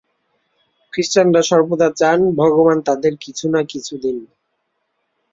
খ্রীষ্টানরা সর্বদা চান, ভগবান তাঁদের কিছু না কিছু দিন।